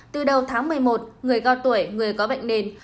từ đầu tháng một mươi một người cao tuổi người có bệnh nền